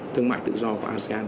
thương mại tự do của asean